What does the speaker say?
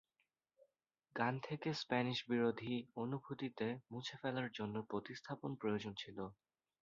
গান থেকে স্প্যানিশ বিরোধী অনুভূতিতে মুছে ফেলার জন্য প্রতিস্থাপন প্রয়োজন ছিল।